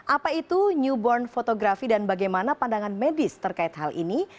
apa itu newborn fotografi dan bagaimana pandangan medis terkait hal ini